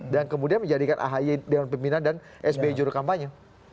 dan kemudian menjadikan rhy dewan pembina dan sby juru kampanye